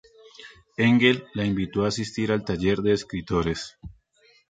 Engle la invitó a asistir al Taller de Escritores.